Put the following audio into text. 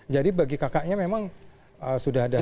jadi bagi kakaknya memang sudah ada hal